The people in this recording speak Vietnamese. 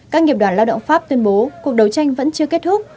các nghiệp đoàn lao động pháp tuyên bố cuộc đấu tranh vẫn chưa kết thúc